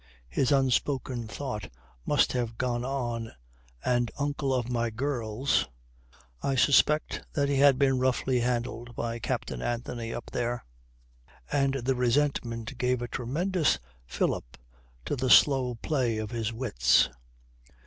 His unspoken thought must have gone on "and uncle of my girls." I suspect that he had been roughly handled by Captain Anthony up there, and the resentment gave a tremendous fillip to the slow play of his wits.